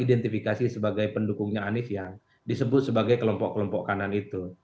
identifikasi sebagai pendukungnya anies yang disebut sebagai kelompok kelompok kanan itu